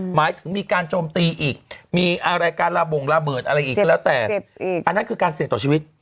หมายถึงมีการโจมตีอีกมีอะไรการระบงระเบิดอะไรอีกก็แล้วแต่อันนั้นคือการเสี่ยงต่อชีวิต